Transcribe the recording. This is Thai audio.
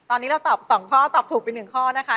ตอนนี้เราตอบ๒ข้อตอบถูกไป๑ข้อนะคะ